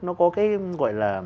nó có cái gọi là